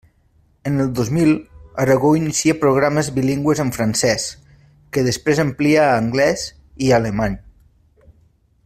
En el dos mil, Aragó inicia programes bilingües en francés, que després amplia a anglés i alemany.